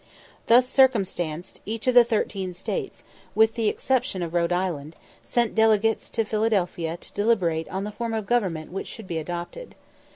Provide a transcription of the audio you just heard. Thus circumstanced, each of the thirteen States, with the exception of Rhode Island, sent delegates to Philadelphia to deliberate on the form of government which should be adopted.